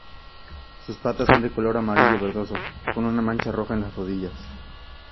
Sus patas son de color amarillo verdoso, con una mancha roja en las rodillas.